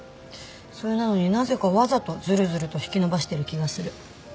それなのになぜかわざとずるずると引き延ばしてる気がする。